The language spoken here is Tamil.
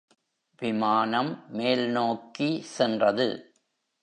விமானம் மேல்நோக்கி சென்றது